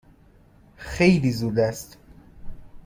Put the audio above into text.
خیلی زود است.